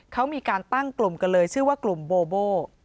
เขามีการตั้งกลุ่มกันเลยชื่อว่ากลุ่มโบโบ